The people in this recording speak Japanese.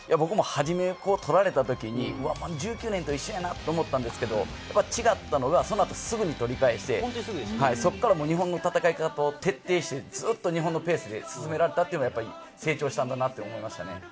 はじめ取られたときに、１９年と一緒やなと思ったんですけれど、違ったのが、その後すぐに取り返して、そこから日本の戦い方を徹底して、ずっと日本のペースで進められたというのが成長したんだなと思いました。